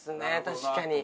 確かに。